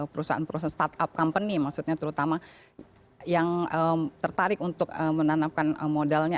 perusahaan perusahaan startup company maksudnya terutama yang tertarik untuk menanamkan modalnya